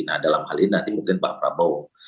nah dalam hal ini nanti mungkin pak prabowo